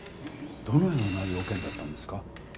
どのような用けんだったんですか？